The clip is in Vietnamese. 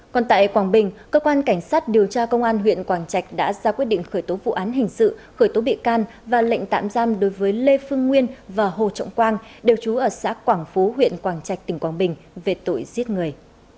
còn tại quảng bình cơ quan cảnh sát điều tra công an huyện quảng trạch đã ra quyết định khởi tố vụ án hình sự khởi tố bị can và lệnh tạm giam đối với lê phương nguyên và hồ trọng quang đều trú ở xã quảng phú huyện quảng trạch tỉnh quảng bình về tội giết người